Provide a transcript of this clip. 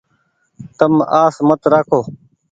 تم آس مت رآکو ۔